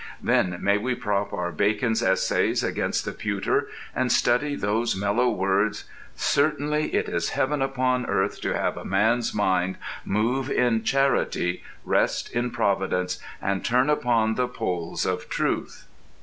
Then may we prop our Bacon's Essays against the pewter and study those mellow words: "Certainly it is heaven upon earth to have a man's mind move in charity, rest in providence, and turn upon the poles of truth."